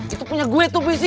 itu punya gue tuh fuy si